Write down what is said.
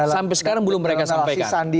sampai sekarang belum mereka sampaikan